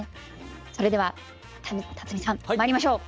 それでは辰巳さんまいりましょう。